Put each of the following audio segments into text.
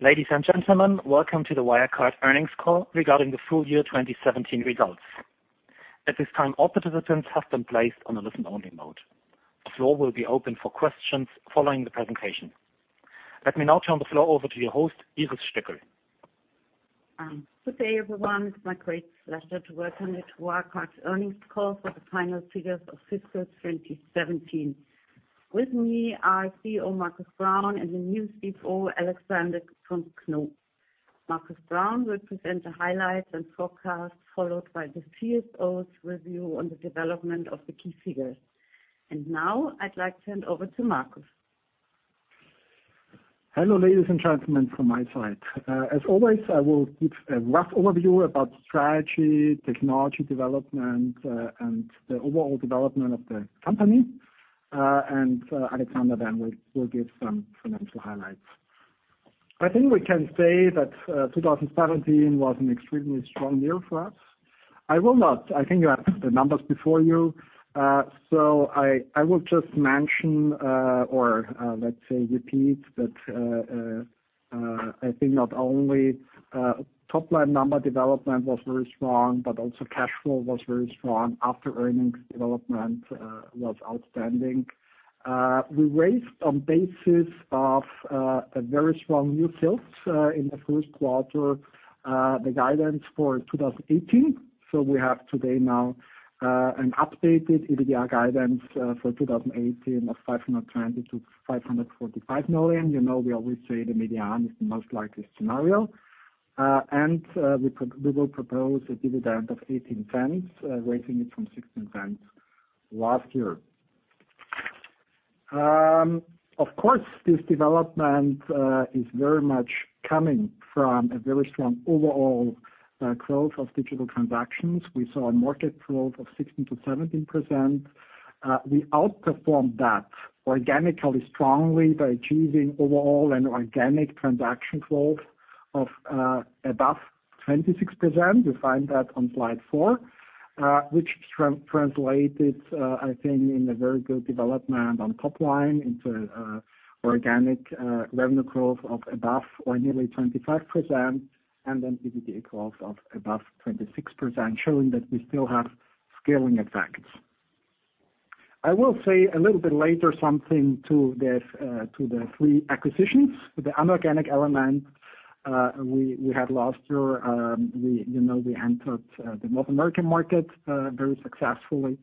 Ladies and gentlemen, welcome to the Wirecard earnings call regarding the full year 2017 results. At this time, all participants have been placed on a listen-only mode. The floor will be open for questions following the presentation. Let me now turn the floor over to your host, Iris Stöckl. Good day, everyone. It's my great pleasure to welcome you to Wirecard's earnings call for the final figures of fiscal 2017. With me are CEO, Markus Braun, and the new CFO, Alexander von Knoop. Markus Braun will present the highlights and forecast, followed by the CFO's review on the development of the key figures. Now I'd like to hand over to Markus. Hello, ladies and gentlemen, from my side. As always, I will give a rough overview about strategy, technology development, and the overall development of the company. Alexander then will give some financial highlights. I think we can say that 2017 was an extremely strong year for us. I think you have the numbers before you, so I will just mention or, let's say, repeat that I think not only top-line number development was very strong, but also cash flow was very strong. After earnings development was outstanding. We raised on basis of a very strong new sales in the first quarter the guidance for 2018. We have today now an updated EBITDA guidance for 2018 of 520 million-545 million. You know we always say the median is the most likely scenario. We will propose a dividend of 0.18, raising it from 0.16 last year. Of course, this development is very much coming from a very strong overall growth of digital transactions. We saw a market growth of 16%-17%. We outperformed that organically strongly by achieving overall an organic transaction growth of above 26%. You find that on slide four, which translated, I think, in a very good development on top-line into organic revenue growth of above or nearly 25%, and then EBITDA growth of above 26%, showing that we still have scaling effects. I will say a little bit later something to the three acquisitions. The inorganic element we had last year, we entered the North American market very successfully.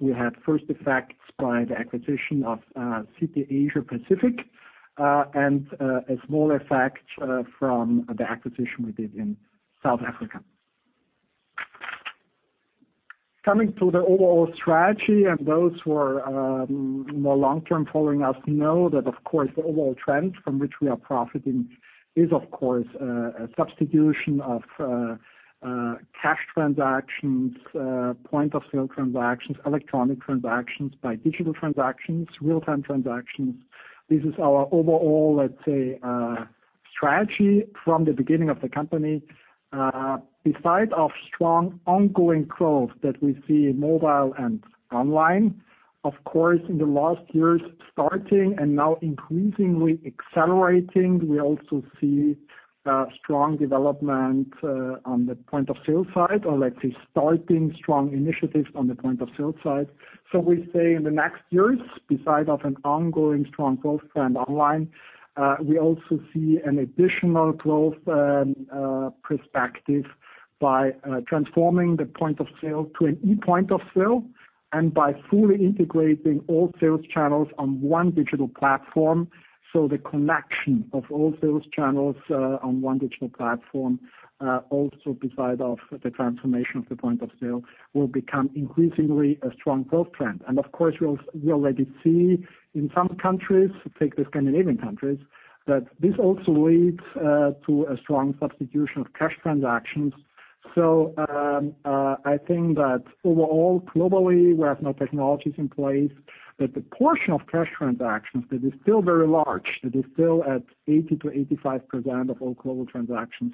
We had first effects by the acquisition of Citi Asia Pacific, and a small effect from the acquisition we did in South Africa. Coming to the overall strategy, those who are more long-term following us know that, of course, the overall trend from which we are profiting is a substitution of cash transactions, point of sale transactions, electronic transactions by digital transactions, real-time transactions. This is our overall, let's say, strategy from the beginning of the company. Besides of strong ongoing growth that we see in mobile and online, of course, in the last years starting and now increasingly accelerating, we also see strong development on the point of sale side or, let's say, starting strong initiatives on the point of sale side. We say in the next years, besides of an ongoing strong growth trend online, we also see an additional growth perspective by transforming the point of sale to an e-point of sale and by fully integrating all sales channels on one digital platform. The connection of all sales channels on one digital platform, also besides of the transformation of the point of sale, will become increasingly a strong growth trend. Of course, we already see in some countries, take the Scandinavian countries, that this also leads to a strong substitution of cash transactions. I think that overall, globally, we have now technologies in place that the portion of cash transactions that is still very large, that is still at 80%-85% of all global transactions,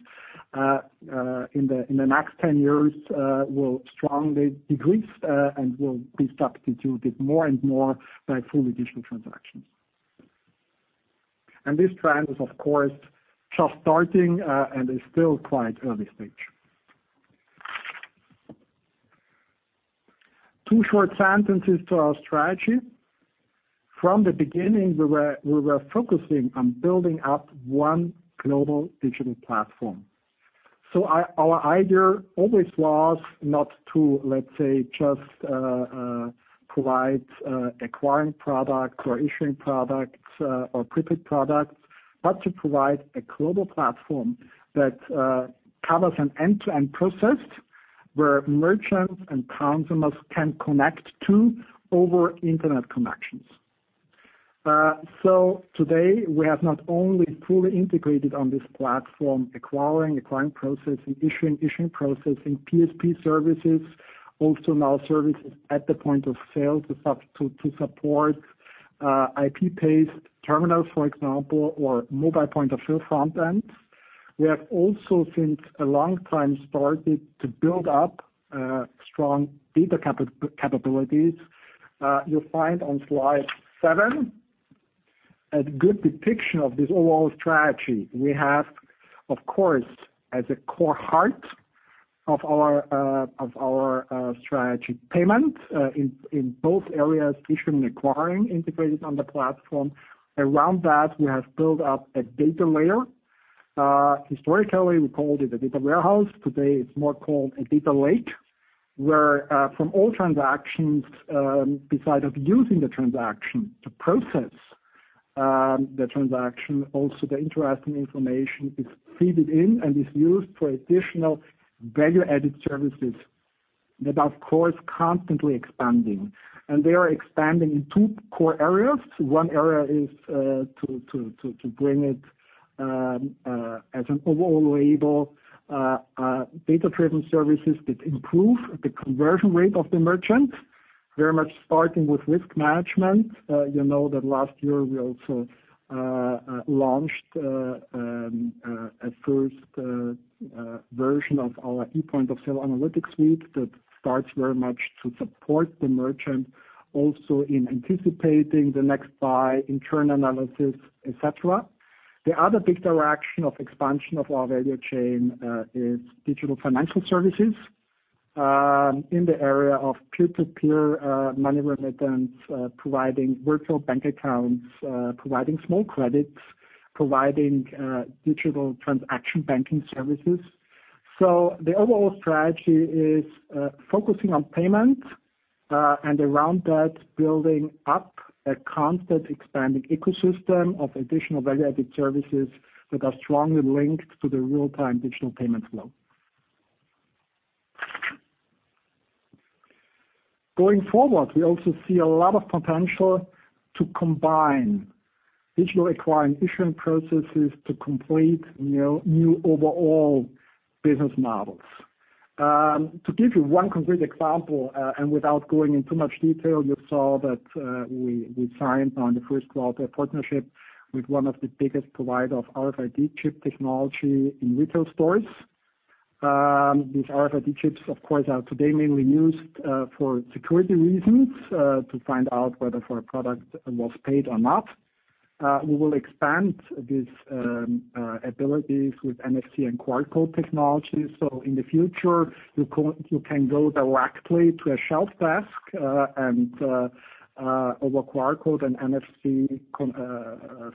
in the next 10 years will strongly decrease and will be substituted more and more by full digital transactions. This trend is, of course, just starting and is still quite early stage. Two short sentences to our strategy. From the beginning, we were focusing on building up one global digital platform. Our idea always was not to, let's say, just provide acquiring product or issuing products or prepaid products, but to provide a global platform that covers an end-to-end process where merchants and consumers can connect to over internet connections. Today we have not only fully integrated on this platform acquiring processing, issuing processing, PSP services, also now services at the point of sale to support IP-based terminals, for example, or mobile point of sale front ends. We have also, since a long time, started to build up strong data capabilities. You'll find on slide seven a good depiction of this overall strategy. We have, of course, as a core heart of our strategy, payment in both areas, issuing and acquiring, integrated on the platform. Around that, we have built up a data layer. Historically, we called it a data warehouse. Today, it's more called a data lake, where from all transactions, besides using the transaction to process the transaction, also the interesting information is feeded in and is used for additional value-added services that are, of course, constantly expanding. They are expanding in two core areas. One area is to bring it as an overall label, data-driven services that improve the conversion rate of the merchant, very much starting with risk management. You know that last year we also launched a first version of our e-point of sale analytics suite that starts very much to support the merchant also in anticipating the next buy, internal analysis, et cetera. The other big direction of expansion of our value chain is digital financial services in the area of peer-to-peer money remittance, providing virtual bank accounts, providing small credits, providing digital transaction banking services. The overall strategy is focusing on payment, and around that, building up a constant expanding ecosystem of additional value-added services that are strongly linked to the real-time digital payment flow. Going forward, we also see a lot of potential to combine digital acquiring, issuing processes to complete new overall business models. To give you one concrete example, and without going into much detail, you saw that we signed on the first quarter a partnership with one of the biggest provider of RFID chip technology in retail stores. These RFID chips, of course, are today mainly used for security reasons, to find out whether a product was paid or not. We will expand these abilities with NFC and QR code technology. In the future, you can go directly to a shelf desk and, over QR code and NFC,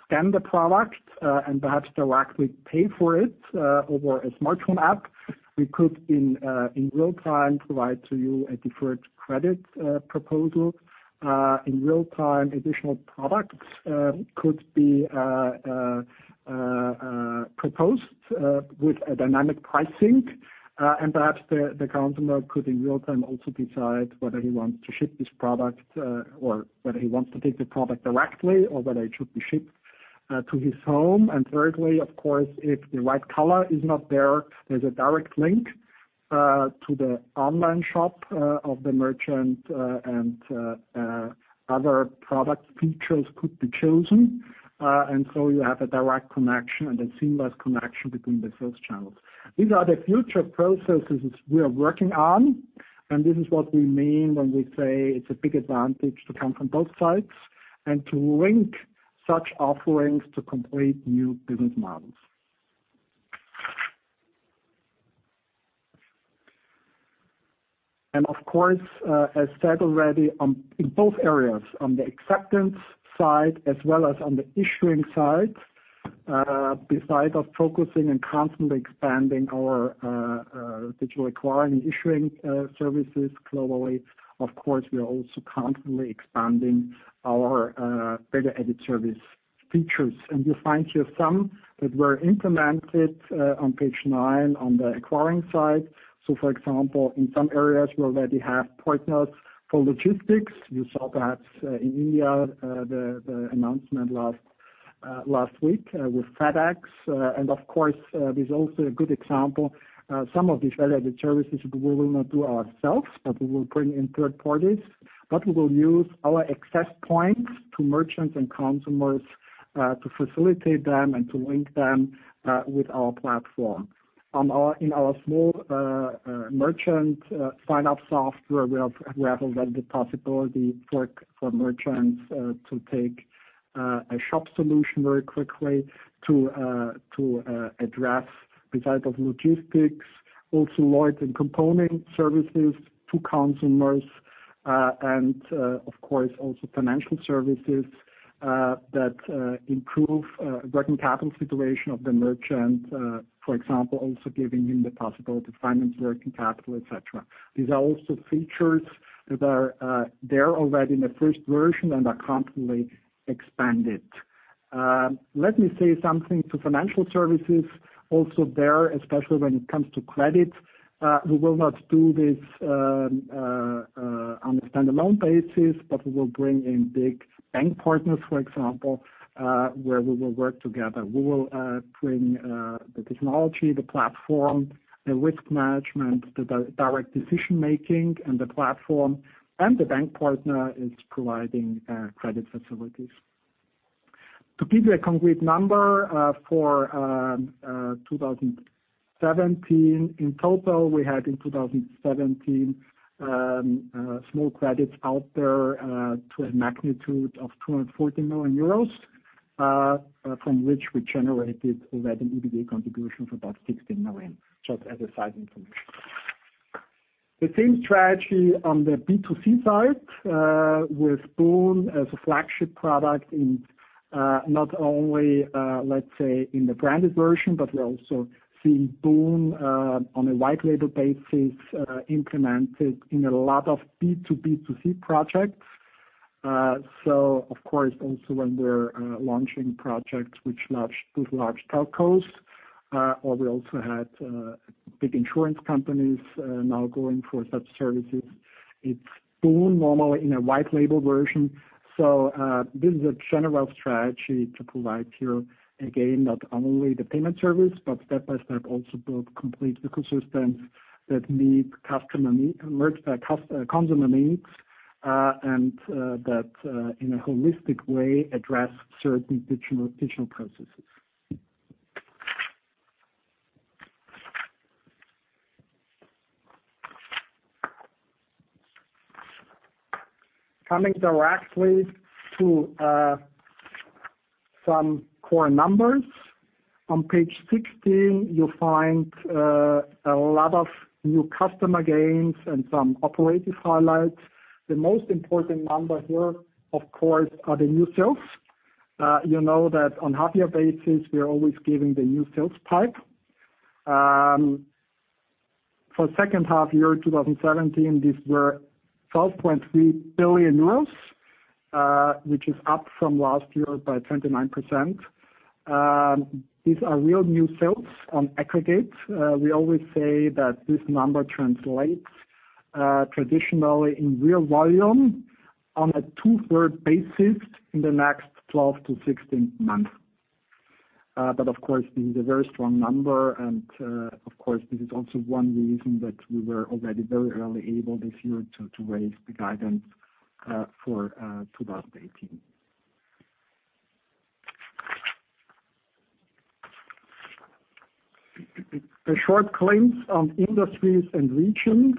scan the product and perhaps directly pay for it over a smartphone app. We could, in real time, provide to you a deferred credit proposal. In real time, additional products could be proposed with a dynamic pricing. Perhaps the customer could, in real time, also decide whether he wants to ship this product or whether he wants to take the product directly or whether it should be shipped to his home. Thirdly, of course, if the right color is not there's a direct link to the online shop of the merchant and other product features could be chosen. You have a direct connection and a seamless connection between the sales channels. These are the future processes we are working on, and this is what we mean when we say it's a big advantage to come from both sides and to link such offerings to complete new business models. Of course, as said already, in both areas, on the acceptance side as well as on the issuing side, besides focusing and constantly expanding our digital acquiring and issuing services globally, of course, we are also constantly expanding our value-added service features. You find here some that were implemented on page nine on the acquiring side. For example, in some areas, we already have partners for logistics. You saw perhaps in India the announcement last week with FedEx. Of course, there's also a good example, some of these value-added services we will not do ourselves, but we will bring in third parties. We will use our access points to merchants and consumers to facilitate them and to link them with our platform. In our small merchant sign-up software, we have already the possibility for merchants to take a shop solution very quickly to address, besides of logistics, also loyalty and component services to consumers. Of course, also financial services that improve working capital situation of the merchant, for example, also giving him the possibility to finance working capital, et cetera. These are also features that are there already in the first version and are constantly expanded. Let me say something to financial services. Also there, especially when it comes to credit, we will not do this on a standalone basis, but we will bring in big bank partners, for example, where we will work together. We will bring the technology, the platform, the risk management, the direct decision-making and the platform, and the bank partner is providing credit facilities. To give you a concrete number for 2017, in total, we had in 2017, small credits out there to a magnitude of 240 million euros, from which we generated already an EBITDA contribution of about 16 million, just as a side information. The same strategy on the B2C side, with boon as a flagship product in not only, let's say, in the branded version, but we also see boon on a white label basis, implemented in a lot of B2B2C projects. Of course, also when we're launching projects with large telcos, or we also had big insurance companies now going for such services. It's boon normally in a white label version. This is a general strategy to provide here, again, not only the payment service, but step by step, also build complete ecosystems that meet consumer needs, and that in a holistic way address certain digital processes. Coming directly to some core numbers. On page 16, you'll find a lot of new customer gains and some operative highlights. The most important number here, of course, are the new sales. You know that on half year basis, we are always giving the new sales pipe. For second half year, 2017, these were 12.3 billion euros, which is up from last year by 29%. These are real new sales on aggregate. We always say that this number translates traditionally in real volume on a two-third basis in the next 12 to 16 months. Of course, this is a very strong number and, of course, this is also one reason that we were already very early able this year to raise the guidance for 2018. The short glimpse on industries and regions.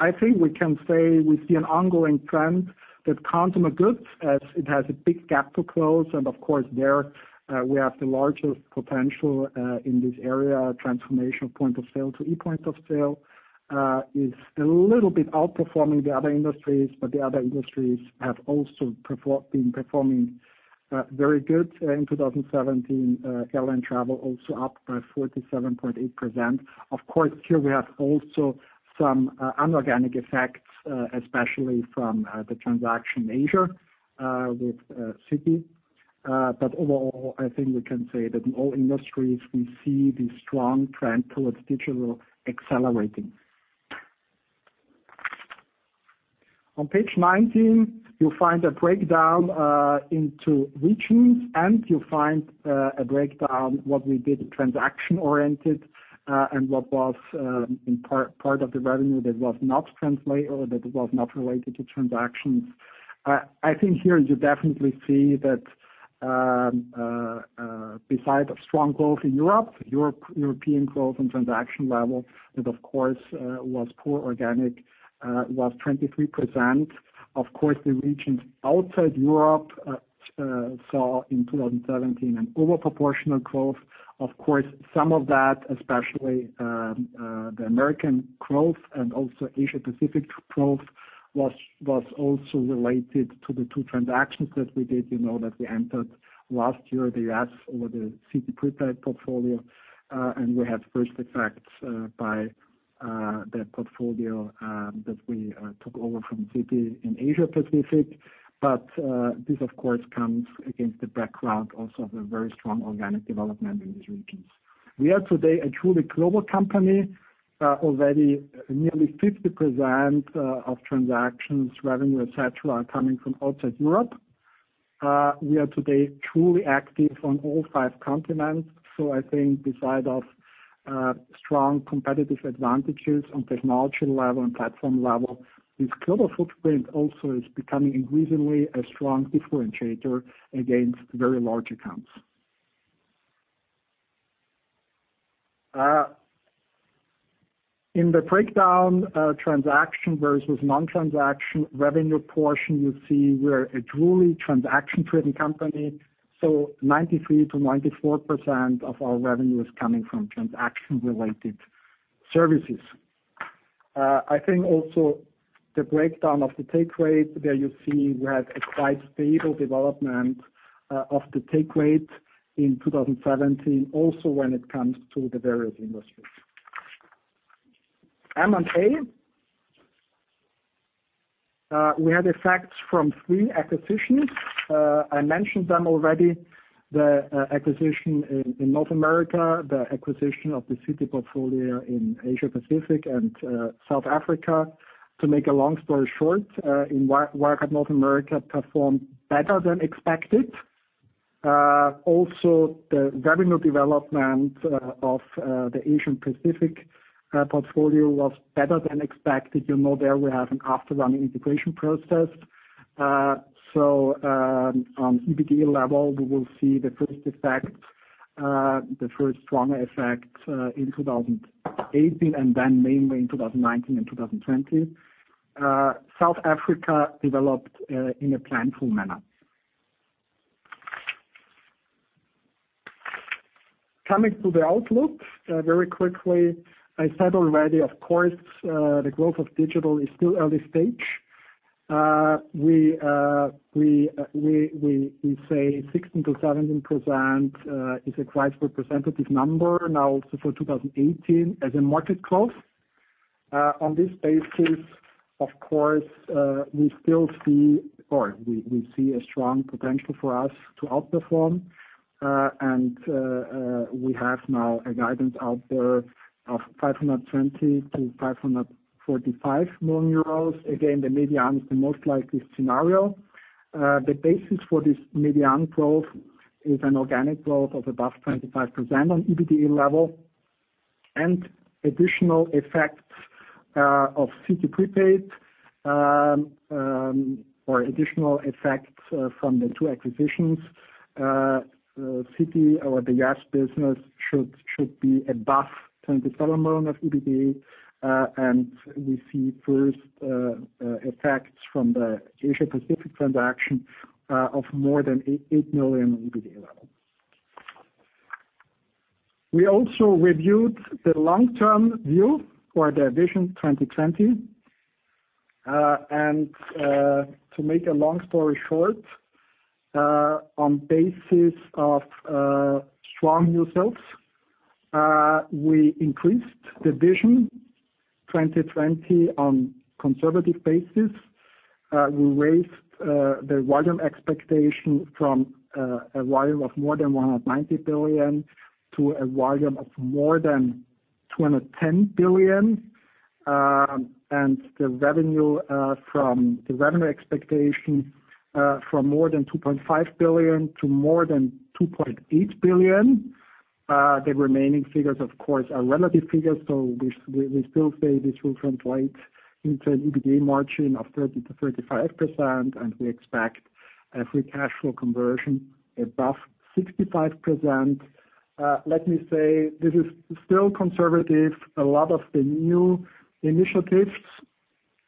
I think we can say we see an ongoing trend that consumer goods, as it has a big gap to close and of course there we have the largest potential, in this area, transformation point of sale to e-point of sale, is a little bit outperforming the other industries, but the other industries have also been performing very good in 2017. Airline travel also up by 47.8%. Of course, here we have also some inorganic effects, especially from the transaction in Asia, with Citi. Overall, I think we can say that in all industries we see the strong trend towards digital accelerating. On page 19, you'll find a breakdown into regions, and you'll find a breakdown what we did transaction oriented, and what was in part of the revenue that was not related to transactions. I think here you definitely see that beside a strong growth in Europe, European growth and transaction level that of course, was poor organic, was 23%. Of course, the regions outside Europe saw in 2017 an overproportional growth. Of course, some of that, especially the American growth and also Asia-Pacific growth, was also related to the two transactions that we did, you know, that we entered last year, the U.S. or the Citi prepaid portfolio. We had first effects by that portfolio that we took over from Citi in Asia-Pacific. This of course comes against the background also of a very strong organic development in these regions. We are today a truly global company. Already nearly 50% of transactions, revenue, et cetera, are coming from outside Europe. We are today truly active on all five continents. I think beside of strong competitive advantages on technology level and platform level, this global footprint also is becoming increasingly a strong differentiator against very large accounts. In the breakdown transaction versus non-transaction revenue portion, you see we're a truly transaction-driven company, so 93%-94% of our revenue is coming from transaction-related services. I think also the breakdown of the take rate, there you see we have a quite stable development of the take rate in 2017, also when it comes to the various industries. M&A. We had effects from three acquisitions. I mentioned them already, the acquisition in Wirecard North America, the acquisition of the Citi Asia Pacific portfolio and South Africa. To make a long story short, in Wirecard North America performed better than expected. Also, the revenue development of the Asia Pacific portfolio was better than expected. There we have an after-run integration process. On EBITDA level, we will see the first stronger effect in 2018 and then mainly in 2019 and 2020. South Africa developed in a planful manner. Coming to the outlook, very quickly, I said already, of course, the growth of digital is still early stage. We say 16%-17% is a quite representative number now also for 2018 as a market growth. On this basis, of course, we see a strong potential for us to outperform. We have now a guidance out there of 520 million-545 million euros. Again, the median is the most likely scenario. The basis for this median growth is an organic growth of above 25% on EBITDA level and additional effects of Citi prepaid, or additional effects from the two acquisitions. Citi or the U.S. business should be above 27 million of EBITDA. We see first effects from the Asia Pacific transaction of more than 8 million on EBITDA level. We also reviewed the long-term view for the Vision 2020. To make a long story short, on basis of strong results, we increased the Vision 2020 on conservative basis. We raised the volume expectation from a volume of more than 190 billion-210 billion. The revenue expectation from more than 2.5 billion-2.8 billion. The remaining figures, of course, are relative figures, we still say this will translate into an EBITDA margin of 30%-35%, and we expect a free cash flow conversion above 65%. Let me say this is still conservative. A lot of the new initiatives,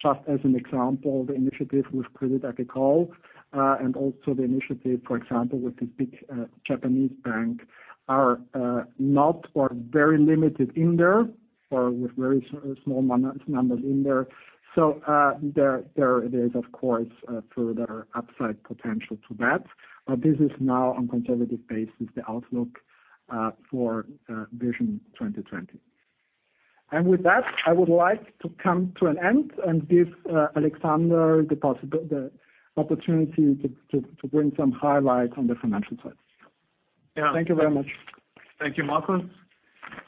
just as an example, the initiative with Crédit Agricole, and also the initiative, for example, with this big Japanese bank, are not or very limited in there, or with very small numbers in there. There is, of course, further upside potential to that. This is now on conservative basis the outlook for Vision 2020. With that, I would like to come to an end and give Alexander the opportunity to bring some highlights on the financial side. Yeah. Thank you very much. Thank you, Markus.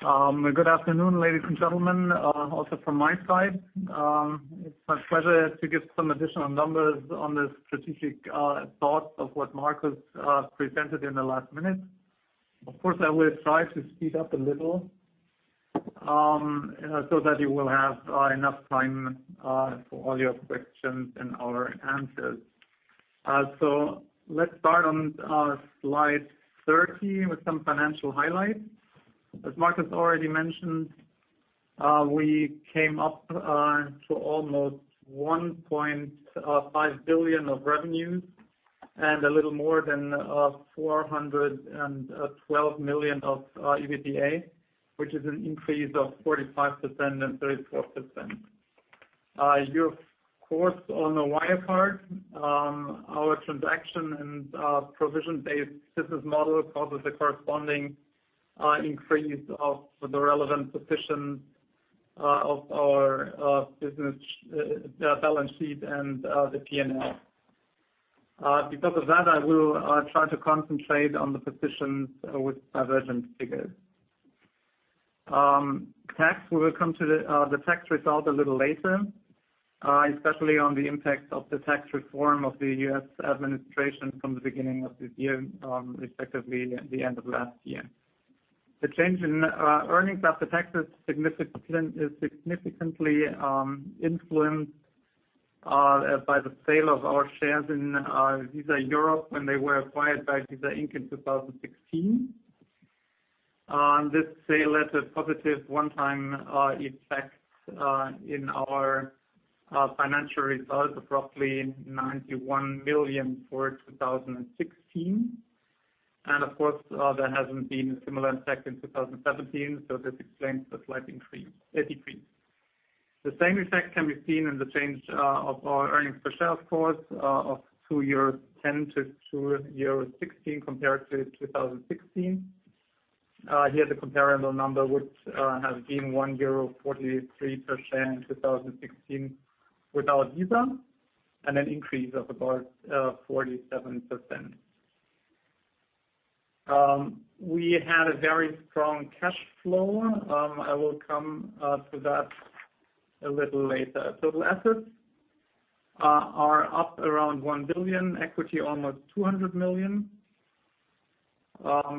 Good afternoon, ladies and gentlemen, also from my side. It is my pleasure to give some additional numbers on the strategic thoughts of what Markus presented in the last minute. Of course, I will try to speed up a little, so that you will have enough time for all your questions and our answers. Let's start on slide 13 with some financial highlights. As Markus already mentioned, we came up to almost 1.5 billion of revenues and a little more than 412 million of EBITDA, which is an increase of 45% and 34%. You, of course, on Wirecard, our transaction and provision-based business model causes a corresponding increase of the relevant positions of our business balance sheet and the P&L. I will try to concentrate on the positions with divergent figures. Tax, we will come to the tax result a little later, especially on the impact of the tax reform of the U.S. administration from the beginning of this year, respectively the end of last year. The change in earnings after taxes is significantly influenced by the sale of our shares in Visa Europe when they were acquired by Visa Inc. in 2016. This sale had a positive one-time effect in our financial results of roughly 91 million for 2016. Of course, there has not been a similar effect in 2017, this explains the slight decrease. The same effect can be seen in the change of our earnings per share, of course, of 2.10 euros to 2.16 euros compared to 2016. Here, the comparable number would have been 1.43 euro in 2016 without Visa, and an increase of about 47%. We had a very strong cash flow. I will come to that a little later. Total assets are up around 1 billion, equity almost 200 million,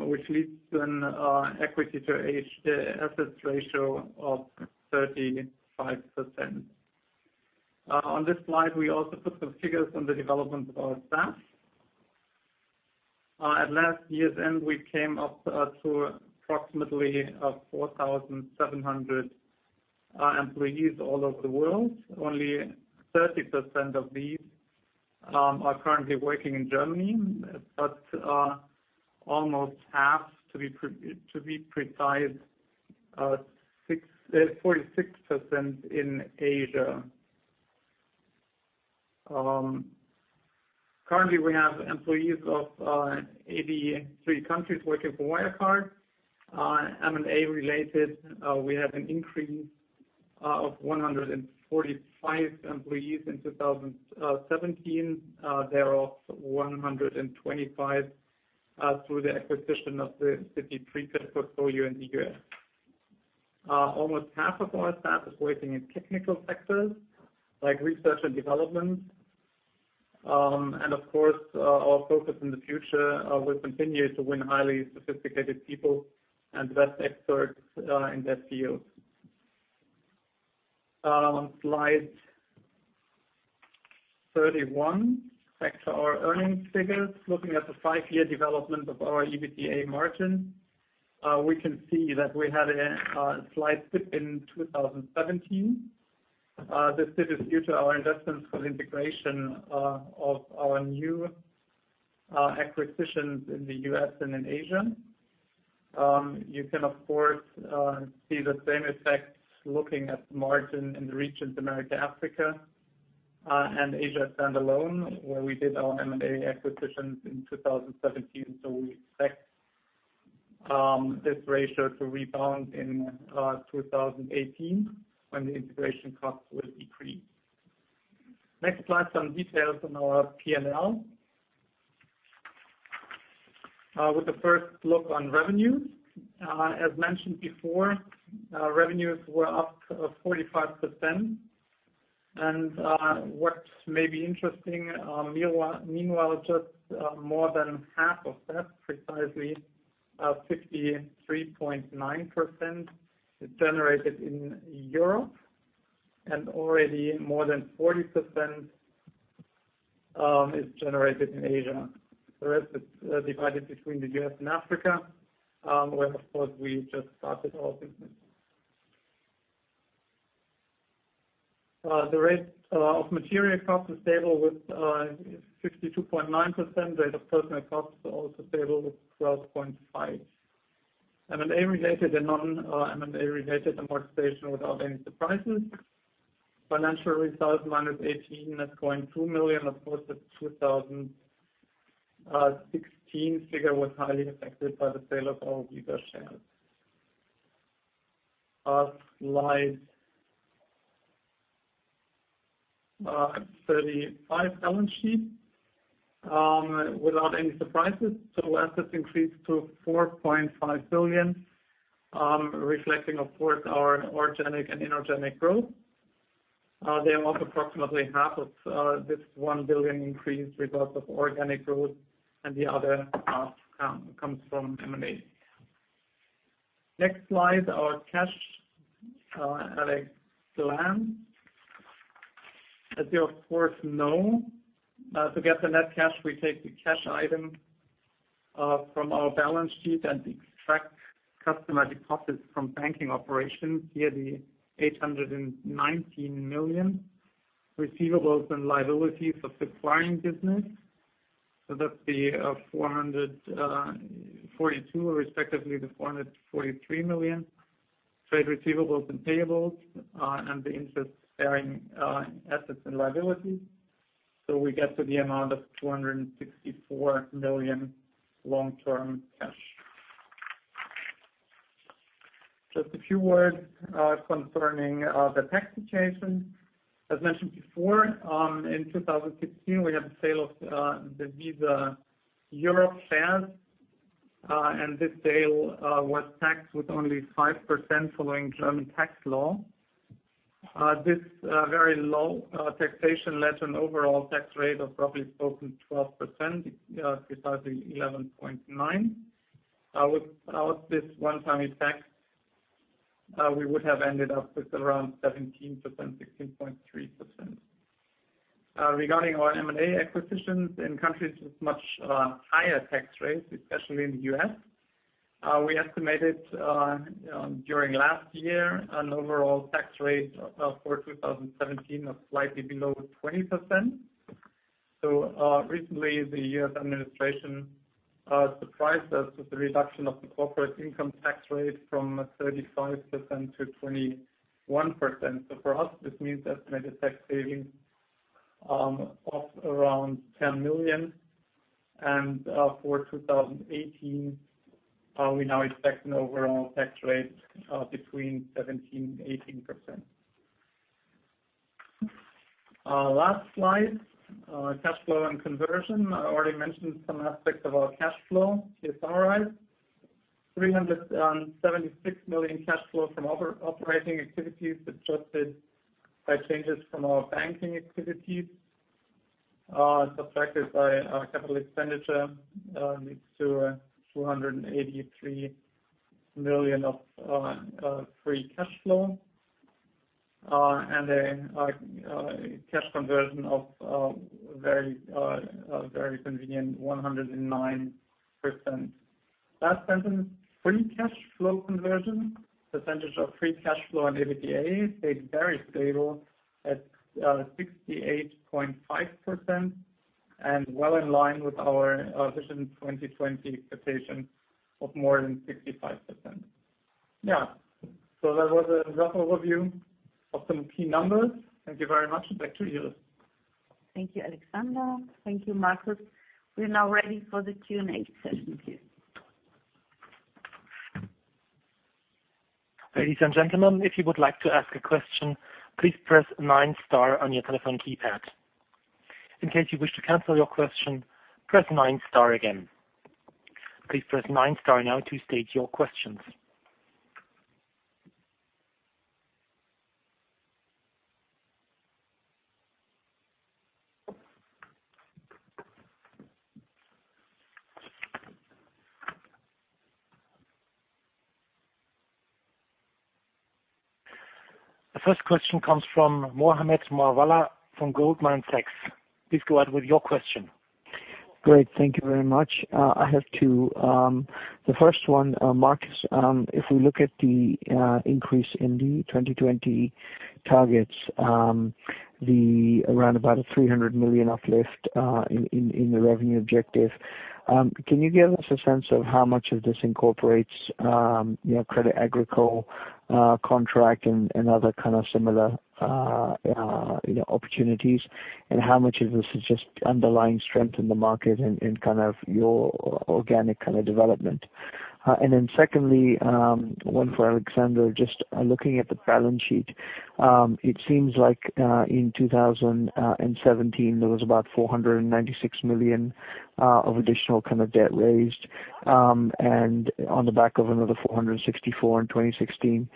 which leads to an equity to assets ratio of 35%. On this slide, we also put some figures on the development of our staff. At last year's end, we came up to approximately 4,700 employees all over the world. Only 30% of these are currently working in Germany, but almost half, to be precise, 46% in Asia. Currently, we have employees of 83 countries working for Wirecard. M&A related, we have an increase of 145 employees in 2017. Thereof, 125 through the acquisition of the Citi Prepaid portfolio in the U.S. Almost half of our staff is working in technical sectors like research and development. Of course, our focus in the future will continue to win highly sophisticated people and the best experts in their field. Slide 31. Back to our earnings figures. Looking at the five-year development of our EBITDA margin, we can see that we had a slight dip in 2017. This dip is due to our investments for the integration of our new acquisitions in the U.S. and in Asia. You can of course see the same effects looking at the margin in the regions America-Africa and Asia standalone, where we did our M&A acquisitions in 2017. We expect this ratio to rebound in 2018, when the integration costs will decrease. Next slide, some details on our P&L. First look on revenues. As mentioned before, revenues were up 45%. What may be interesting, meanwhile, just more than half of that, precisely 53.9%, is generated in Europe and already more than 40% is generated in Asia. The rest is divided between the U.S. and Africa, where of course we just started our business. The rate of material costs is stable with 62.9%. Rate of personnel costs are also stable with 12.5%. M&A-related and non-M&A-related amortization without any surprises. Financial result minus 18.2 million. Of course, the 2016 figure was highly affected by the sale of our Visa shares. Slide 35, balance sheet. Without any surprises. Assets increased to 4.5 billion, reflecting of course our organic and inorganic growth. Thereof, approximately half of this 1 billion increase results of organic growth and the other half comes from M&A. Next slide, our cash at a glance. As you of course know, to get the net cash, we take the cash item from our balance sheet and the extract customer deposits from banking operations, here the 819 million. Receivables and liabilities of the acquiring business. That's the 442 million, or respectively 443 million. Trade receivables and payables and the interest-bearing assets and liabilities. We get to the amount of 264 million long-term cash. Just a few words concerning the tax situation. As mentioned before, in 2016, we had the sale of the Visa Europe shares, and this sale was taxed with only 5% following German tax law. This very low taxation led to an overall tax rate of roughly 12%, precisely 11.9%. Without this one-time effect, we would have ended up with around 17%, 16.3%. Regarding our M&A acquisitions in countries with much higher tax rates, especially in the U.S., we estimated during last year an overall tax rate for 2017 of slightly below 20%. Recently, the U.S. administration surprised us with the reduction of the corporate income tax rate from 35% to 21%. For us, this means estimated tax savings of around 10 million. For 2018, we now expect an overall tax rate between 17% and 18%. Last slide, cash flow and conversion. I already mentioned some aspects of our cash flow. Here summarized: 376 million cash flow from operating activities adjusted by changes from our banking activities, subtracted by our capital expenditure leads to 283 million of free cash flow, and a cash conversion of a very convenient 109%. Last sentence: Free cash flow conversion, percentage of free cash flow and EBITDA, stayed very stable at 68.5% and well in line with our efficient Vision 2020 expectation of more than 65%. That was a rough overview of some key numbers. Thank you very much, and back to you. Thank you, Alexander. Thank you, Markus. We are now ready for the Q&A session queue. Ladies and gentlemen, if you would like to ask a question, please press nine star on your telephone keypad. In case you wish to cancel your question, press nine star again. Please press nine star now to state your questions. The first question comes from Mohammed Moawalla from Goldman Sachs. Please go ahead with your question. Great. Thank you very much. I have two. The first one, Markus, if we look at the increase in the 2020 targets, around about a 300 million uplift in the revenue objective, can you give us a sense of how much of this incorporates Crédit Agricole contract and other kind of similar opportunities? How much of this is just underlying strength in the market in your organic kind of development? Secondly, one for Alexander, just looking at the balance sheet. It seems like in 2017, there was about 496 million of additional kind of debt raised, on the back of another 464 in 2016.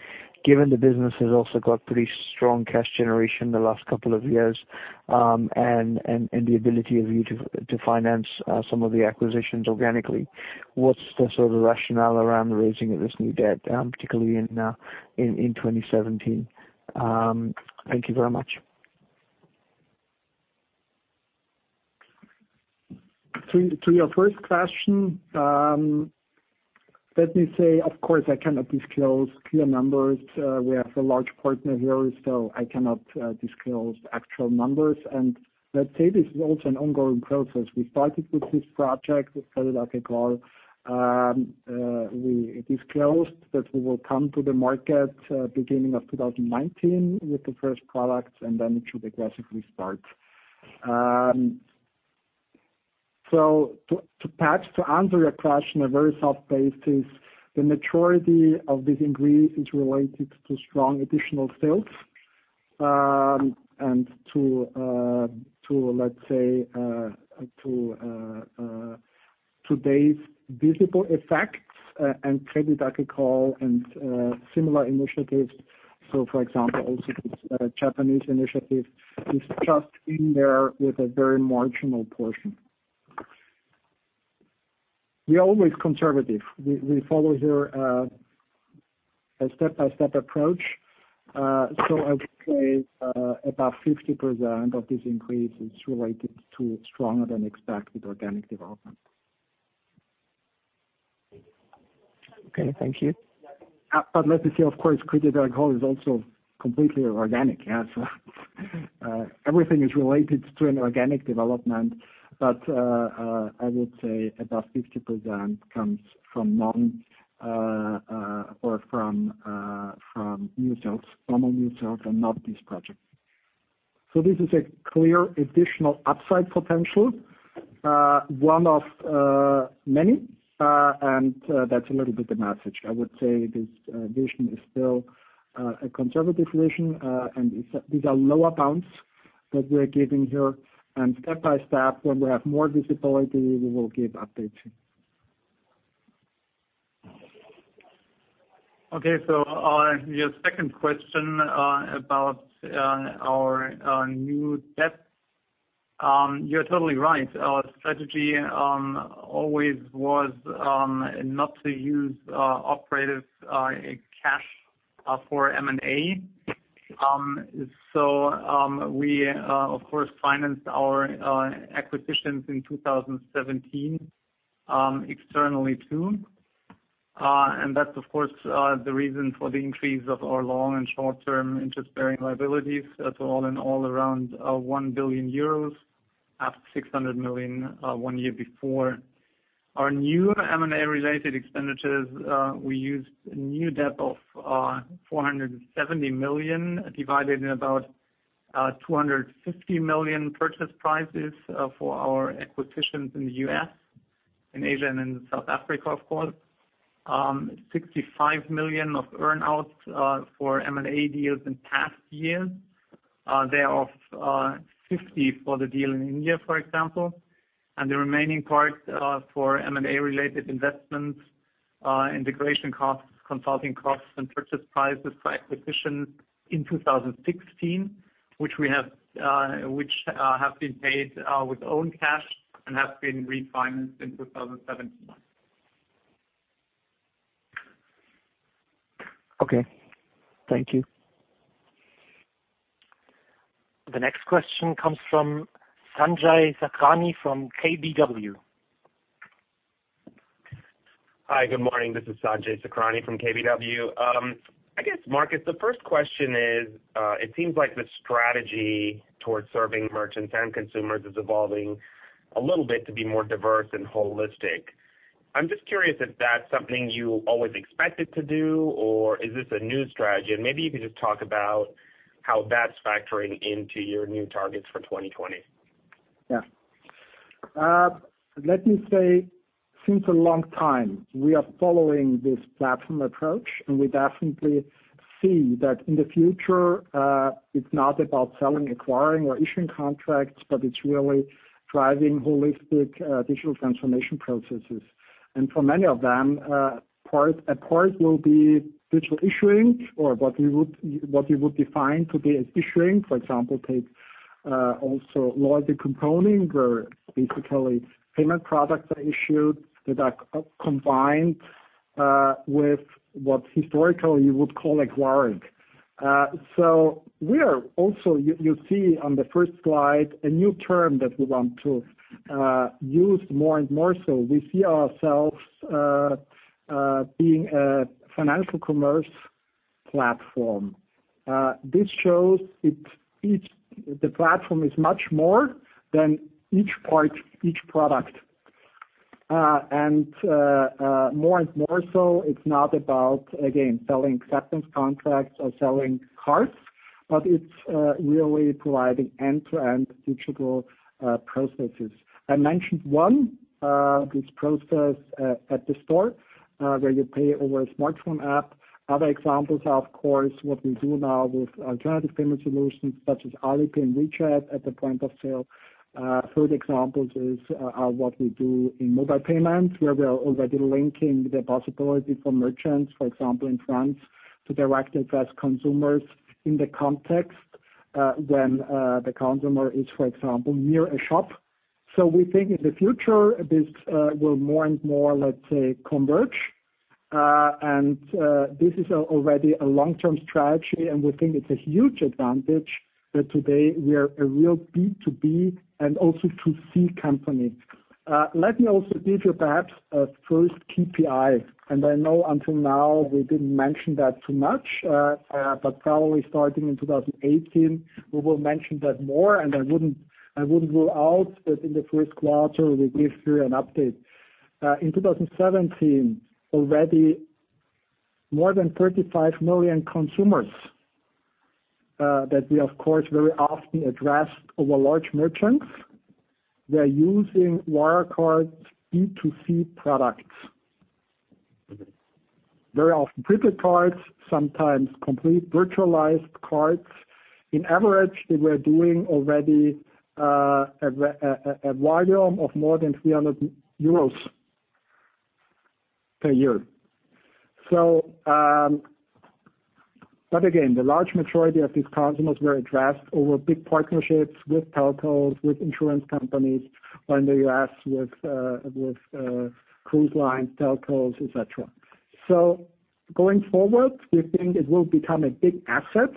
Given the business has also got pretty strong cash generation the last couple of years, and the ability of you to finance some of the acquisitions organically, what's the sort of rationale around the raising of this new debt, particularly in 2017? Thank you very much. To your first question, let me say, of course, I cannot disclose clear numbers. We have a large partner here, so I cannot disclose actual numbers. Let's say this is also an ongoing process. We started with this project with Crédit Agricole. We disclosed that we will come to the market beginning of 2019 with the first products, and then it should aggressively start. To answer your question, a very soft basis, the maturity of this increase is related to strong additional sales, and to let's say, today's visible effects and Crédit Agricole and similar initiatives. For example, also this Japanese initiative is just in there with a very marginal portion. We're always conservative. We follow here a step-by-step approach. I would say about 50% of this increase is related to stronger than expected organic development. Okay, thank you. Let me say, of course, Crédit Agricole is also completely organic. Everything is related to an organic development. I would say about 50% comes from new sales, normal new sales, and not this project. This is a clear additional upside potential, one of many, and that's a little bit the message. I would say this vision is still a conservative vision, and these are lower bounds that we're giving here, and step-by-step, when we have more visibility, we will give updates. Okay. On your second question about our new debt. You're totally right. Our strategy always was not to use operative cash for M&A. We of course, financed our acquisitions in 2017 externally too. That's of course, the reason for the increase of our long and short-term interest-bearing liabilities to all in all around 1 billion euros, up 600 million one year before. Our new M&A related expenditures, we used a new debt of 470 million divided in about 250 million purchase prices for our acquisitions in the U.S., in Asia, and in South Africa, of course. 65 million of earn-outs for M&A deals in past years Thereof, 50 for the deal in India, for example, and the remaining parts are for M&A related investments, integration costs, consulting costs, and purchase prices for acquisitions in 2016, which have been paid with own cash and have been refinanced in 2017. Okay. Thank you. The next question comes from Sanjay Sakhrani from KBW. Hi, good morning. This is Sanjay Sakhrani from KBW. I guess, Markus, the first question is, it seems like the strategy towards serving merchants and consumers is evolving a little bit to be more diverse and holistic. I'm just curious if that's something you always expected to do, or is this a new strategy? Maybe you could just talk about how that's factoring into your new targets for 2020. Let me say, since a long time, we are following this platform approach, we definitely see that in the future, it's not about selling, acquiring, or issuing contracts, but it's really driving holistic digital transformation processes. For many of them, a part will be digital issuing or what we would define to be as issuing. For example, take also loyalty components, where basically payment products are issued that are combined with what historically you would call acquiring. You see on the first slide a new term that we want to use more and more so. We see ourselves being a financial commerce platform. This shows the platform is much more than each part, each product. More and more so, it's not about, again, selling acceptance contracts or selling cards, but it's really providing end-to-end digital processes. I mentioned one, this process at the store, where you pay over a smartphone app. Other examples are, of course, what we do now with alternative payment solutions, such as Alipay and WeChat at the point of sale. Further examples are what we do in mobile payments, where we are already linking the possibility for merchants, for example, in France, to directly address consumers in the context when the consumer is, for example, near a shop. We think in the future, this will more and more, let's say, converge. This is already a long-term strategy, and we think it's a huge advantage that today we are a real B2B and also 2C company. Let me also give you perhaps a first KPI. I know until now we didn't mention that too much. Probably starting in 2018, we will mention that more. I wouldn't rule out that in the first quarter, we give you an update. In 2017, already more than 35 million consumers that we, of course, very often address over large merchants. They're using Wirecard's B2C products. Very often printed cards, sometimes complete virtualized cards. In average, they were doing already a volume of more than 300 euros per year. Again, the large majority of these consumers were addressed over big partnerships with telcos, with insurance companies, or in the U.S. with cruise lines, telcos, et cetera. Going forward, we think it will become a big asset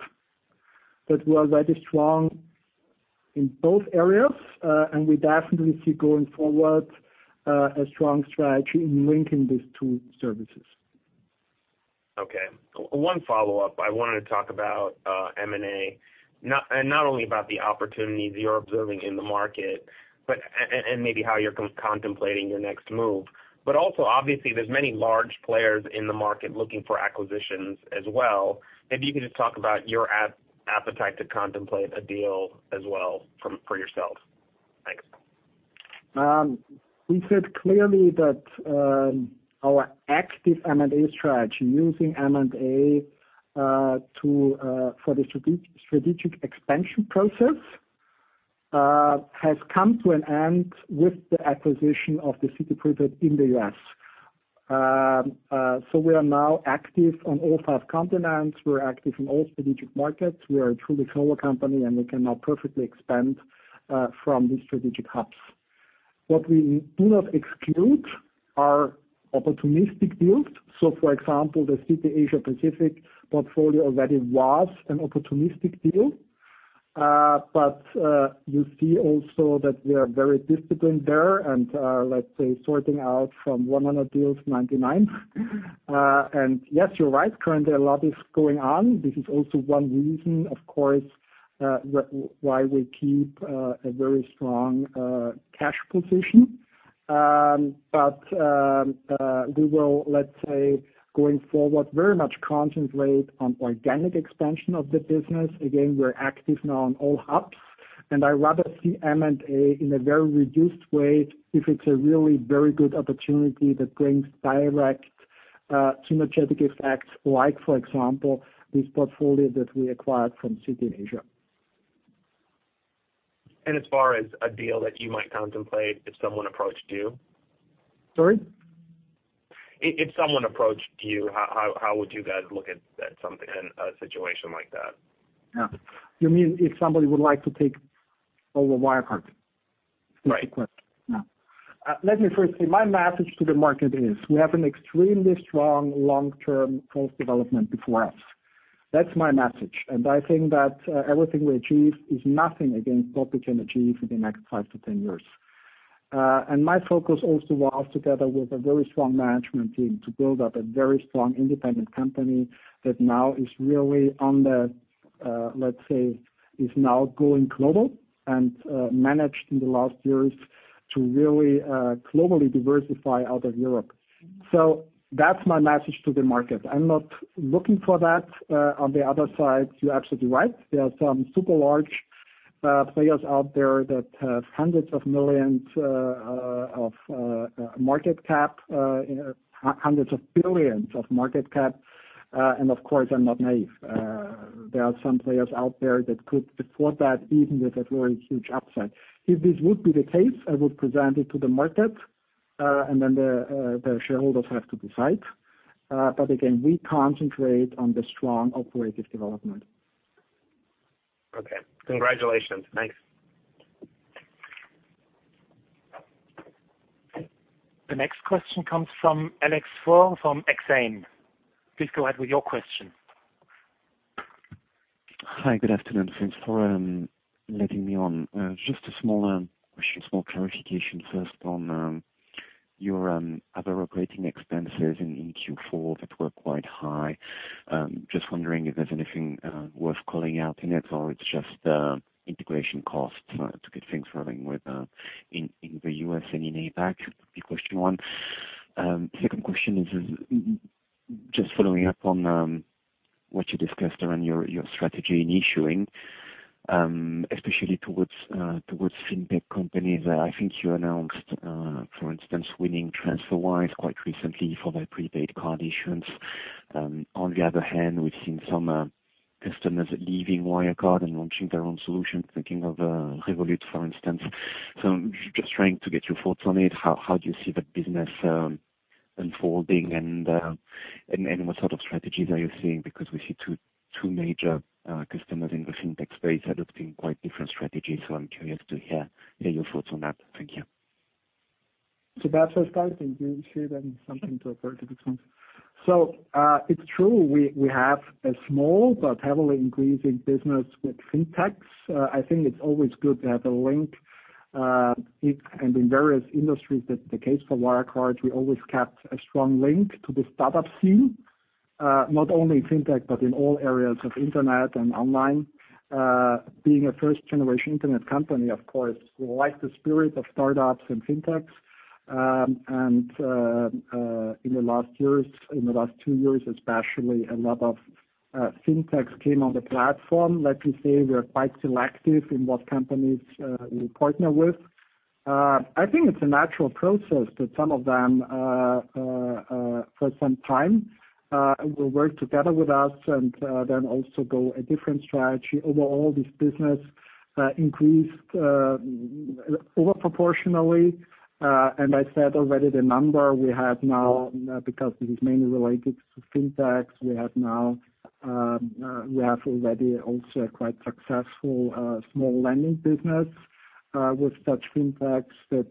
that we are very strong in both areas, and we definitely see going forward, a strong strategy in linking these two services. Okay. One follow-up. I wanted to talk about M&A. Not only about the opportunities you're observing in the market, and maybe how you're contemplating your next move. Also, obviously, there's many large players in the market looking for acquisitions as well. Maybe you can just talk about your appetite to contemplate a deal as well for yourselves. Thanks. We said clearly that our active M&A strategy, using M&A for the strategic expansion process, has come to an end with the acquisition of the Citi Prepaid Card Services in the U.S. We are now active on all five continents. We're active in all strategic markets. We are a truly global company, and we can now perfectly expand from these strategic hubs. What we do not exclude are opportunistic deals. For example, the Citi Asia Pacific portfolio already was an opportunistic deal. You see also that we are very disciplined there and, let's say, sorting out from 100 deals, 99. Yes, you're right. Currently, a lot is going on. This is also one reason, of course, why we keep a very strong cash position. We will, let's say, going forward, very much concentrate on organic expansion of the business. Again, we're active now in all hubs, and I rather see M&A in a very reduced way if it's a really very good opportunity that brings direct synergetic effects like, for example, this portfolio that we acquired from Citi in Asia. As far as a deal that you might contemplate if someone approached you? Sorry? If someone approached you, how would you guys look at a situation like that? You mean if somebody would like to take over Wirecard? Right. Let me first say, my message to the market is we have an extremely strong long-term growth development before us. That's my message. I think that everything we achieve is nothing against what we can achieve in the next 5-10 years. My focus also was together with a very strong management team to build up a very strong independent company that now is really on the, let's say, is now going global and managed in the last years to really globally diversify out of Europe. That's my message to the market. I'm not looking for that. On the other side, you're absolutely right. There are some super large players out there that have hundreds of billions of market cap. Of course, I'm not naive. There are some players out there that could afford that, even with a very huge upside. If this would be the case, I would present it to the market, then the shareholders have to decide. Again, we concentrate on the strong operative development. Okay. Congratulations. Thanks. The next question comes from Alexandre Faure from Exane BNP Paribas. Please go ahead with your question. Hi, good afternoon. Thanks for letting me on. Just a small question, small clarification first on your other operating expenses in Q4 that were quite high. Just wondering if there's anything worth calling out in it, or it's just integration costs to get things running in the U.S. and in APAC. That would be question one. Second question is just following up on what you discussed around your strategy in issuing, especially towards fintech companies. I think you announced, for instance, winning TransferWise quite recently for their prepaid card issuance. On the other hand, we've seen some customers leaving Wirecard and launching their own solution, thinking of Revolut, for instance. Just trying to get your thoughts on it. How do you see that business unfolding, and what sort of strategies are you seeing? Because we see two major customers in the fintech space adopting quite different strategies. I'm curious to hear your thoughts on that. Thank you. That's a starting. You share then something to refer to the trends. It's true, we have a small but heavily increasing business with fintechs. I think it's always good to have a link, and in various industries, that's the case for Wirecard. We always kept a strong link to the startup scene, not only in fintech but in all areas of internet and online. Being a first-generation internet company, of course, we like the spirit of startups and fintechs. In the last two years especially, a lot of fintechs came on the platform. Let me say we are quite selective in what companies we partner with. I think it's a natural process that some of them for some time will work together with us and then also go a different strategy. Overall, this business increased over proportionally. I said already the number we have now, because it is mainly related to fintechs, we have already also a quite successful small lending business with such fintechs that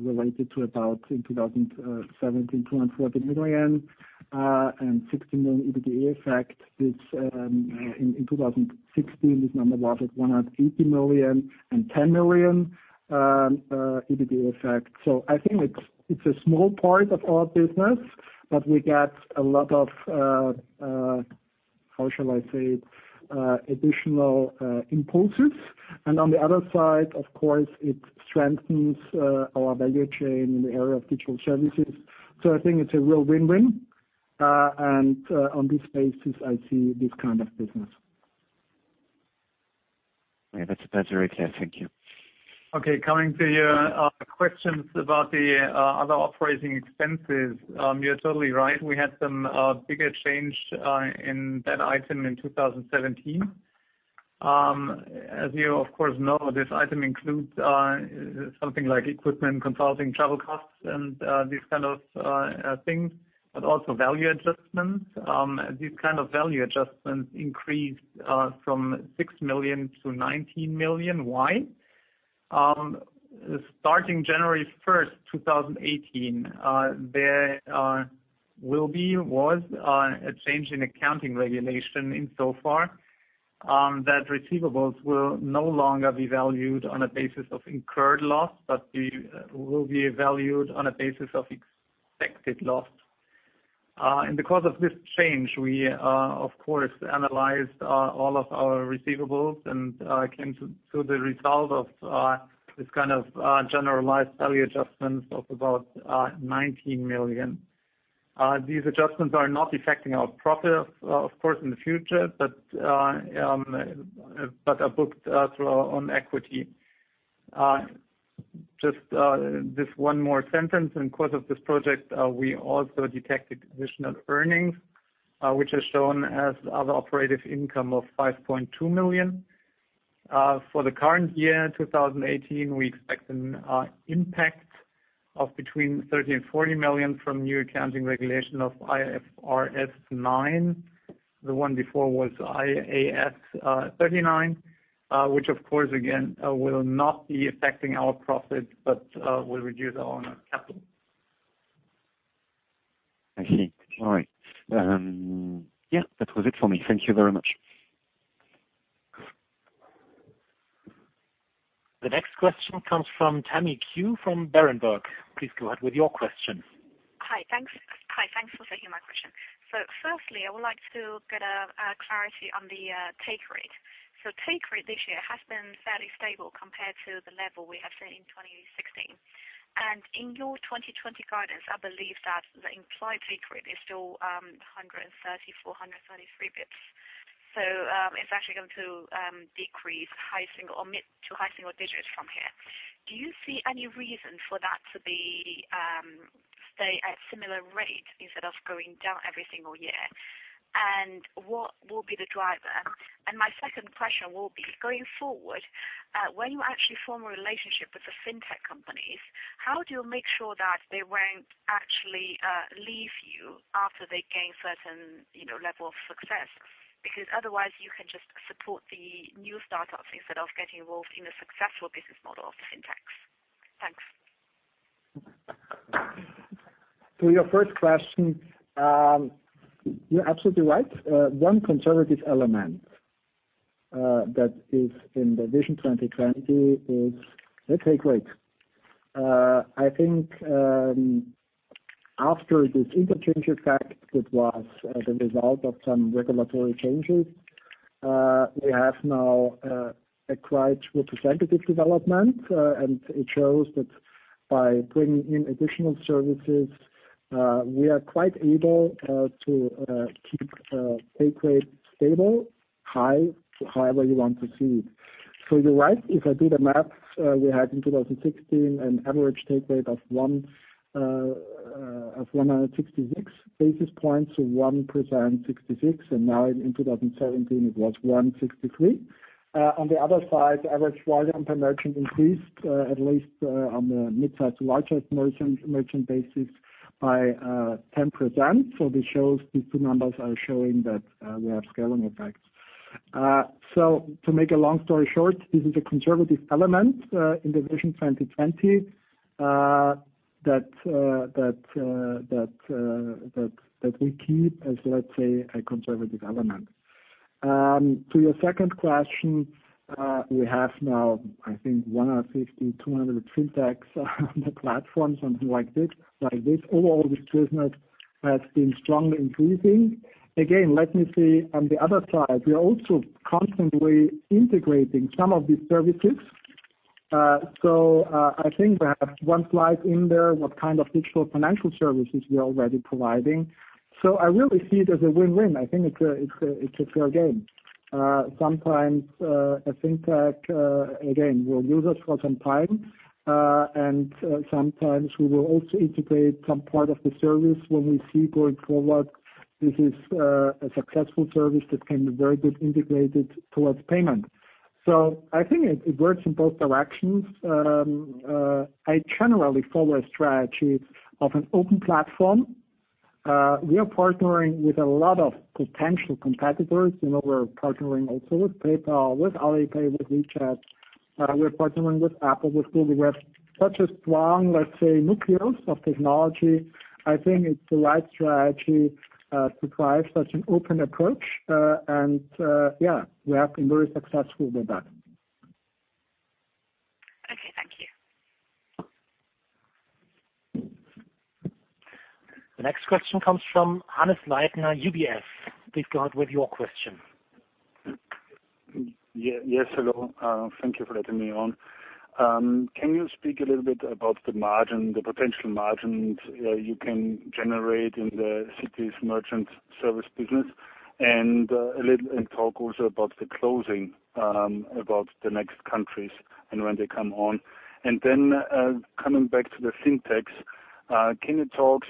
related to about, in 2017, 240 million, and 16 million EBITDA effect, which in 2016, this number was at 180 million and 10 million EBITDA effect. I think it's a small part of our business, but we get a lot of, how shall I say it, additional impulses. On the other side, of course, it strengthens our value chain in the area of digital services. I think it's a real win-win. On this basis, I see this kind of business. That's very clear. Thank you. Okay, coming to your questions about the other operating expenses. You're totally right. We had some bigger change in that item in 2017. As you of course know, this item includes something like equipment, consulting, travel costs, and these kind of things, but also value adjustments. These kind of value adjustments increased from six million EUR to 19 million. Why? Starting January 1st, 2018, there was a change in accounting regulation insofar that receivables will no longer be valued on a basis of incurred loss, but will be valued on a basis of expected loss. Because of this change, we of course analyzed all of our receivables and came to the result of this kind of generalized value adjustments of about 19 million. These adjustments are not affecting our profit, of course, in the future, but are booked through our own equity. Just this one more sentence. In course of this project, we also detected additional earnings, which is shown as other operative income of 5.2 million. For the current year 2018, we expect an impact of between 30 million and 40 million from new accounting regulation of IFRS 9. The one before was IAS 39, which of course again, will not be affecting our profit but will reduce our own capital. I see. All right. Yeah, that was it for me. Thank you very much. The next question comes from Tammy Qiu from Berenberg. Please go ahead with your question. Hi. Thanks for taking my question. Firstly, I would like to get a clarity on the take rate. Take rate this year has been fairly stable compared to the level we have seen in 2016. In your Vision 2020 guidance, I believe that the implied take rate is still 134, 133 basis points. It's actually going to decrease mid to high single digits from here. Do you see any reason for that to stay at similar rate instead of going down every single year? What will be the driver? My second question will be, going forward, when you actually form a relationship with the fintech companies, how do you make sure that they won't actually leave you after they gain certain level of success? Because otherwise you can just support the new startups instead of getting involved in a successful business model of the fintechs. Thanks. To your first question, you're absolutely right. One conservative element that is in the Vision 2020 is the take rate. I think, after this interchange effect, that was the result of some regulatory changes, we have now a quite representative development, and it shows that by bringing in additional services, we are quite able to keep take rate stable, high, however you want to see it. You're right. If I do the math, we had in 2016 an average take rate of 166 basis points, so 1.66%, and now in 2017 it was 163. On the other side, average volume per merchant increased, at least on the mid-size to larger merchant basis by 10%. These two numbers are showing that we have scaling effects. To make a long story short, this is a conservative element in the Vision 2020, that we keep as, let's say, a conservative element. To your second question, we have now, I think, 150, 200 fintechs on the platform, something like this. Overall, this business has been strongly increasing. Again, let me see on the other side. We are also constantly integrating some of these services. I think we have one slide in there, what kind of digital financial services we are already providing. I really see it as a win-win. I think it's a fair game. Sometimes a fintech, again, will use us for some time, and sometimes we will also integrate some part of the service when we see going forward, this is a successful service that can be very good integrated towards payment. I think it works in both directions. I generally follow a strategy of an open platform. We are partnering with a lot of potential competitors. We're partnering also with PayPal, with Alipay, with WeChat. We're partnering with Apple, with Google. We have such a strong, let's say, nucleus of technology. I think it's the right strategy to try such an open approach. Yeah, we have been very successful with that. Okay, thank you. The next question comes from Hannes Leitner, UBS. Please go ahead with your question. Yes, hello. Thank you for letting me on. Can you speak a little bit about the potential margins you can generate in Citi's merchant service business and talk also about the closing, about the next countries and when they come on. Coming back to the fintechs,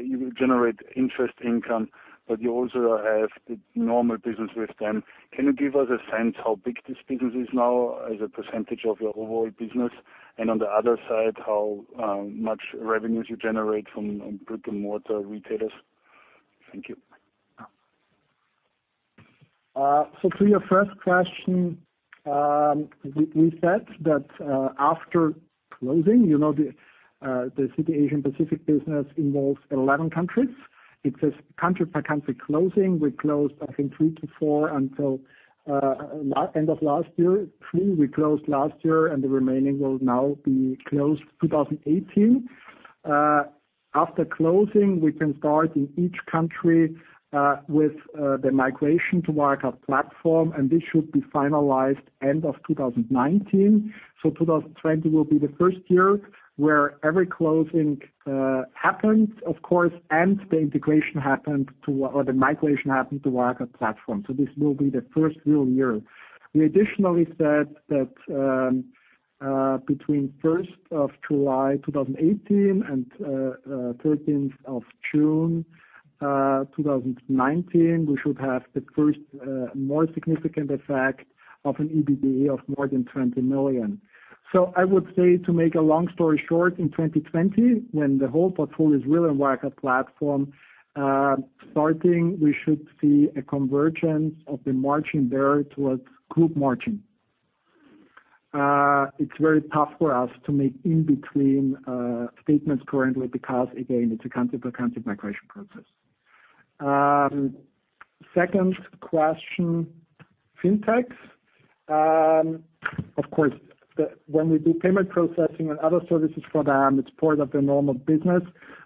you generate interest income, but you also have the normal business with them. Can you give us a sense how big this business is now as a percentage of your overall business? How much revenues you generate from brick-and-mortar retailers? Thank you. To your first question, we said that after closing, the Citi Asia Pacific business involves 11 countries. It is country per country closing. We closed, I think, three to four until end of last year. Three we closed last year, and the remaining will now be closed 2018. After closing, we can start in each country with the migration to Wirecard platform, and this should be finalized end of 2019. 2020 will be the first year where every closing happens, of course, and the integration happened or the migration happened to Wirecard platform. This will be the first real year. We additionally said that between 1st of July 2018 and 13th of June 2019, we should have the first more significant effect of an EBITDA of more than 20 million. I would say to make a long story short, in 2020, when the whole portfolio is really Wirecard platform, starting, we should see a convergence of the margin there towards group margin. It's very tough for us to make in-between statements currently because, again, it's a country-by-country migration process. Second question, Fintechs. Of course, when we do payment processing and other services for them, it's part of the normal business.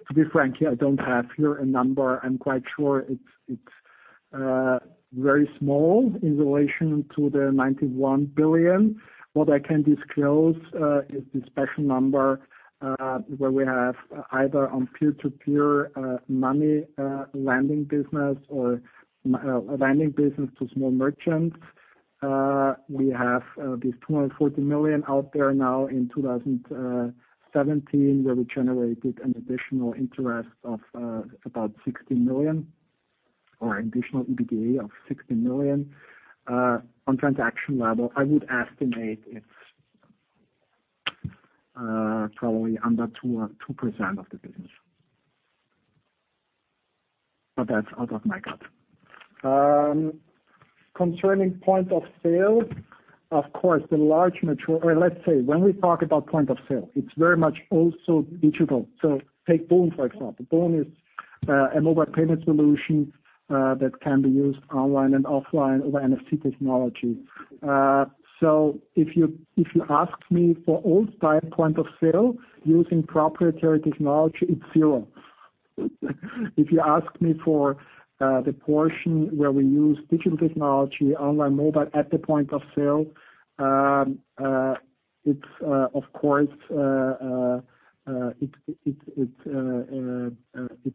To be frank here, I don't have here a number. I'm quite sure it's very small in relation to the 91 billion. What I can disclose is the special number, where we have either on peer-to-peer money lending business or lending business to small merchants. We have these 240 million out there now in 2017, where we generated an additional interest of about 60 million or additional EBITDA of 60 million. On transaction level, I would estimate it's probably under 2% of the business. That's out of my gut. Concerning point of sale, of course, the large mature when we talk about point of sale, it's very much also digital. Take boon, for example. boon is a mobile payment solution that can be used online and offline over NFC technology. If you asked me for old-style point of sale using proprietary technology, it's zero. If you ask me for the portion where we use digital technology, online, mobile at the point of sale, it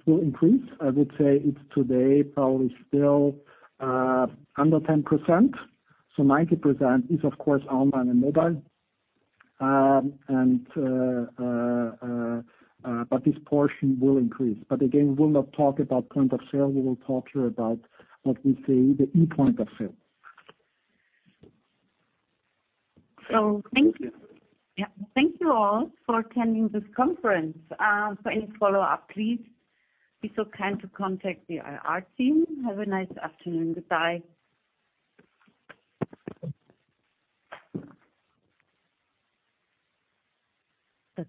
will increase. I would say it's today probably still under 10%. 90% is, of course, online and mobile. This portion will increase. Again, we'll not talk about point of sale. We will talk here about what we say the e-point of sale. Thank you. Thank you all for attending this conference. For any follow-up, please be so kind to contact the IR team. Have a nice afternoon. Goodbye. That's it.